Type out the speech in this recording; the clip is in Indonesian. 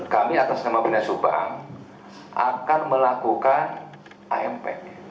kami atas nama binda subang akan melakukan amp